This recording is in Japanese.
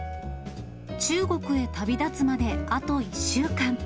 中国へ旅立つまであと１週間。